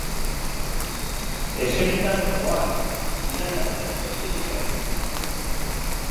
Eserita nengoan, bidaiatzen, besterik ez.